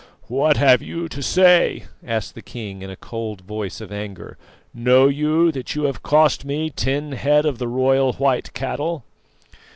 "What have you to say?" asked the king, in a cold voice of anger. "Know you that you have cost me ten head of the royal white cattle?"